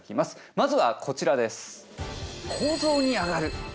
まずはこちらです。